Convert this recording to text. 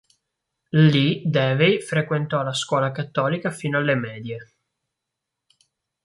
Lì Davey frequentò la scuola cattolica fino alle medie.